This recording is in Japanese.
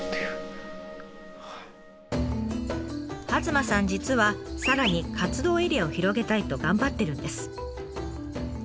弭間さん実はさらに活動エリアを広げたいと頑張っているんです。